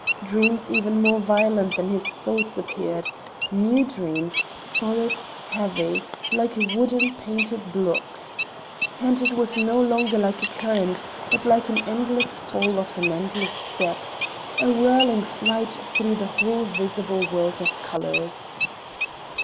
Dreams even more violent than his thoughts appeared—new dreams, solid, heavy, like wooden painted blocks. And it was no longer like a current, but like an endless fall to an endless depth, a whirling flight through the whole visible world of colors.